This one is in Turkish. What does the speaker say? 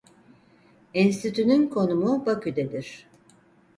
Enstitünün konumu Bakü'dedir.